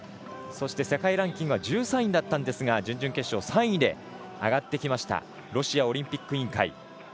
そして、世界記録は１３位だったんですが準々決勝３位で上がってきましたロシアオリンピック委員会。